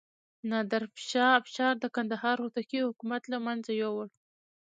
نادر شاه افشار د کندهار هوتکي حکومت له منځه یووړ.